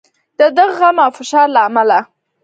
د دغه غم او فشار له امله.